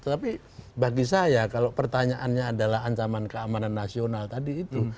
tapi bagi saya kalau pertanyaannya adalah ancaman keamanan nasional tadi itu